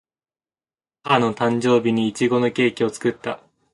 母の誕生日にいちごのケーキを作った